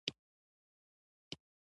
نو خپل ټټو دې پۀ سيوري وتړي -